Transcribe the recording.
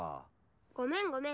ごめんごめん。